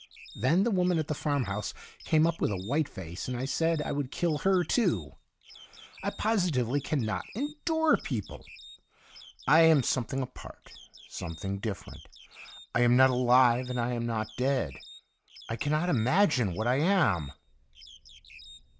Then the woman at the farmhouse came up with a white face, and I said I would kill her too. I positively cannot endure people. I am some thing apart, something different. I am not alive, and I am not dead. I cannot imagine what I am.